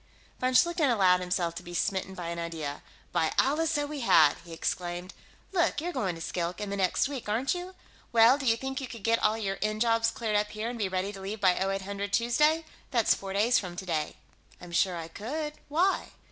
Von Schlichten allowed himself to be smitten by an idea. "By Allah, so we had!" he exclaimed. "Look, you're going to Skilk, in the next week, aren't you? Well, do you think you could get all your end jobs cleared up here and be ready to leave by 0800 Tuesday? That's four days from today." "I'm sure I could. Why?"